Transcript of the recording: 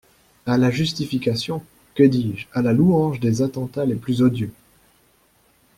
À la justification, que dis-je, à la louange des attentats les plus odieux!